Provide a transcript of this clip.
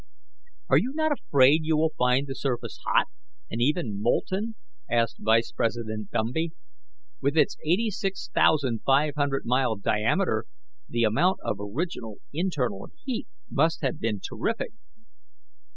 "Are you not afraid you will find the surface hot, or even molten?" asked Vice President Dumby. "With its eighty six thousand five hundred mile diameter, the amount of original internal heat must have been terrific."